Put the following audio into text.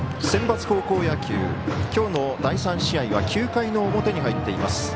センバツ高校野球きょうの第３試合は９回の表に入っています。